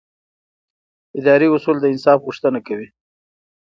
اداري اصول د انصاف غوښتنه کوي.